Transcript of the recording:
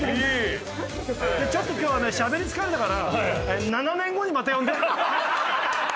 ちょっと今日しゃべり疲れたから７年後にまた呼んで。